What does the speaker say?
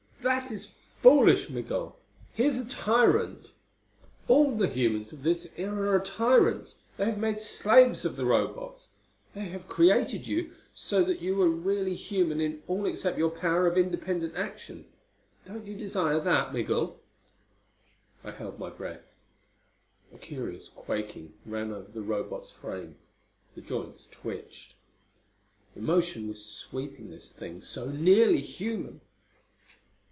"That is foolish, Migul. He is a tyrant. All the humans of this era are tyrants. They have made slaves of the Robots. They have created you so that you are really human in all except your power of independent action. Don't you desire that, Migul?" I held my breath. A curious quaking ran over the Robot's frame. The joints twitched. Emotion was sweeping this thing so nearly human!